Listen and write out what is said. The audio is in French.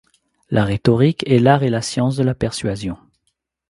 La rhétorique est l'art et la science de la persuasion.